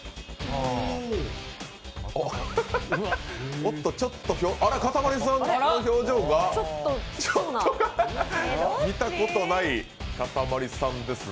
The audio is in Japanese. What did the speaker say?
おっと、かたまりさんの表情がちょっと見たことないかたまりさんですね。